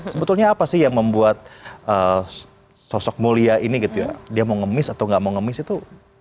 sebetulnya apa sih yang membuat sosok mulia ini gitu ya dia mau ngemis atau nggak mau ngemis itu